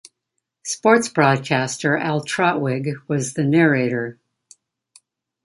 Sports broadcaster Al Trautwig was the narrator.